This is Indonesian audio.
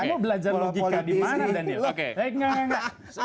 kamu belajar logika di mana daniel